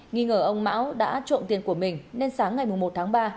nghi ngờ ông mão đã trộm tiền của mình nên sáng ngày một tháng ba